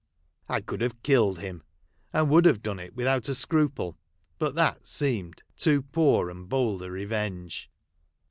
I could haAre killed him ; and would have done it without a scruple, but that seemed too poor and bold a revenge.